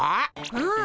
うん。